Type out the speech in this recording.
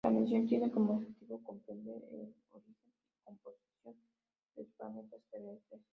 La misión tiene como objetivo comprender el origen y composición de los planetas terrestres.